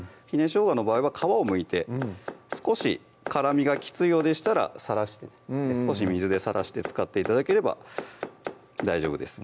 しょうがの場合は皮をむいて少し辛みがきついようでしたらさらして少し水でさらして使って頂ければ大丈夫です